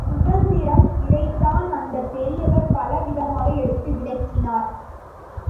சுந்தரம் இதைத்தான் அந்தப் பெரியவர் பல விதமாக எடுத்து விளக்கினார்.